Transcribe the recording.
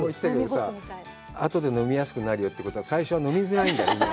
あとで飲みやすくなるよということは、最初は飲みづらいんだよ。